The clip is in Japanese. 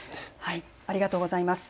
ありがとうございます。